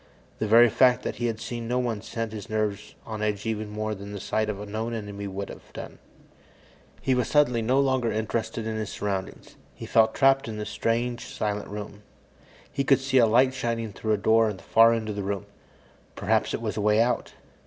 The very fact that he had seen no one set his nerves on edge even more than the sight of a known enemy would have done. He was suddenly no longer interested in his surroundings. He felt trapped in this strange, silent room. He could see a light shining through a door at the far end of the room perhaps it was a way out.